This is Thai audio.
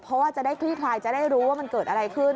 เพราะว่าจะได้คลี่คลายจะได้รู้ว่ามันเกิดอะไรขึ้น